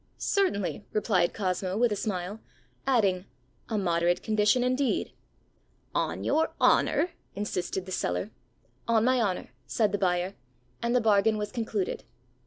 ã ãCertainly,ã replied Cosmo, with a smile; adding, ãa moderate condition indeed.ã ãOn your honour?ã insisted the seller. ãOn my honour,ã said the buyer; and the bargain was concluded.